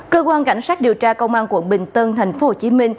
cơ quan cảnh sát điều tra công an quận bình tân tp hcm